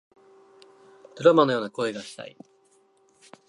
ドラマのような恋がしたい